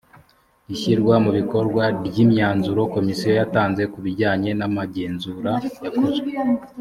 ishyirwa mu bikorwa ry imyanzuro komisiyo yatanze ku bijyanye n amagenzura yakozwe